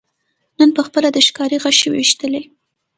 نن پخپله د ښکاري غشي ویشتلی